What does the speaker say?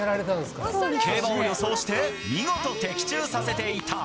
競馬を予想して見事、的中させていた。